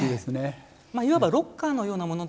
いわばロッカーのようなものだと。